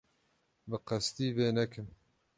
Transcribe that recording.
Bi qesdî vê nekin.